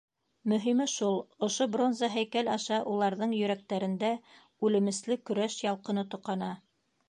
Мөһиме шул: ошо бронза һәйкәл аша уларҙың йөрәктәрендә үлемесле көрәш ялҡыны тоҡана.